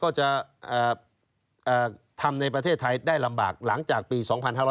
ก็จะทำในประเทศไทยได้ลำบากหลังจากปี๒๕๕๙